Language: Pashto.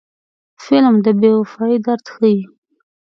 فلم د بې وفایۍ درد ښيي